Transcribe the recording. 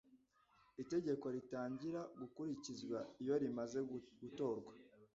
itegeko ritangira gukurikizwa iyorimaze gutorwa.